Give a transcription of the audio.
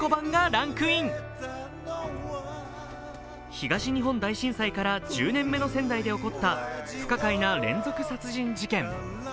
東日本大震災から１０年目の仙台で起こった不可解な連続殺人事件。